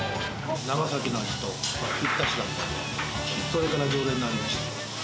長崎の味とぴったし同じなので、それから常連になりました。